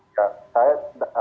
dan saya tidak dalam